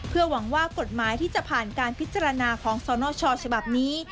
เพื่อหวังว่ากฎหมายที่จะผ่านการพิจารณาของสนชฉบับนี้